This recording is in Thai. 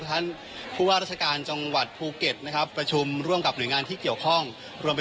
คุณผู้ชมจะเห็นว่ามีการพิพธิ์โครงพยพ